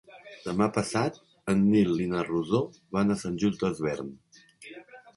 Demà passat en Nil i na Rosó van a Sant Just Desvern.